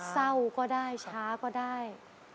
เศร้าก็ได้ช้าก็ได้